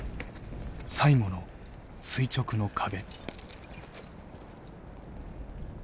最後の垂直の壁。